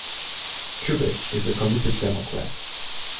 Kubek is a committed Democrat.